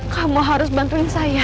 kamu harus bantuin saya